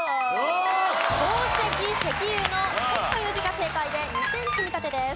宝石石油の「石」という字が正解で２点積み立てです。